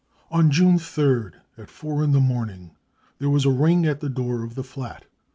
<c On June 3rd, at four in the morning, there was a ring at the door of the flat.